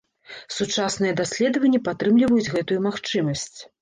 Сучасныя даследаванні падтрымліваюць гэтую магчымасць.